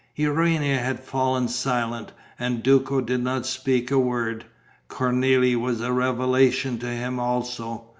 Urania had fallen silent; and Duco did not speak a word. Cornélie was a revelation to him also.